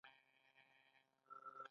جمناستیکي لوبه نه شي کولای.